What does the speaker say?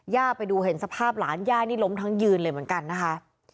ไปดูเห็นสภาพหลานย่านี่ล้มทั้งยืนเลยเหมือนกันนะคะ